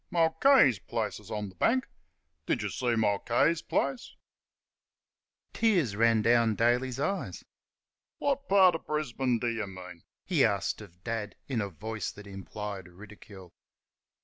Mulcahy's place is on th' bank. Did you see Mulcahy's place?" Tears ran from Daly's eyes. "What part of Brisbane d' y' mean?" he asked of Dad, in a voice that implied ridicule.